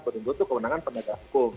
penuntut itu kemenangan pendagang hukum